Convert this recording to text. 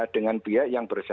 dengan pihak yang bersama